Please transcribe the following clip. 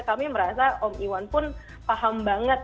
kami merasa om iwan pun paham banget